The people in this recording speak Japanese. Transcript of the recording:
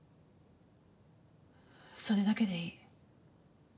それだけでいい。